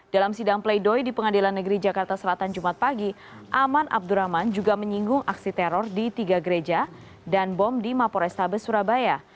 dalam sidang pleidoy di pengadilan negeri jakarta selatan jumat pagi aman abdurrahman juga menyinggung aksi teror di tiga gereja dan bom di mapo restabes surabaya